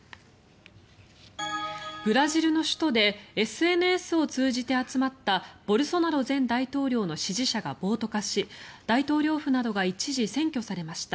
ブラジルの首都でＳＮＳを通じて集まったボルソナロ前大統領の支持者が暴徒化し大統領府などが一時占拠されました。